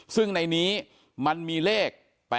ซึ่งในนี้มันมีเลข๘๘